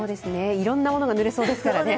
いろいろなものが濡れそうですからね。